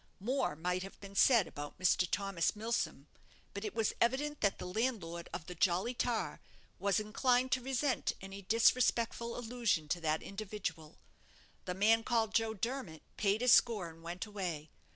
More might have been said about Mr. Thomas Milsom; but it was evident that the landlord of the 'Jolly Tar' was inclined to resent any disrespectful allusion to that individual. The man called Joe Dermot paid his score, and went away.